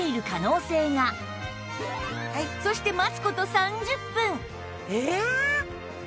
そして待つ事３０分